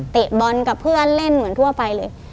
เตะบอลกับเพื่อนเล่นเหมือนทั่วไปเลย